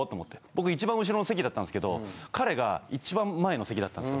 僕１番後ろの席だったんすけど彼が１番前の席だったんですよ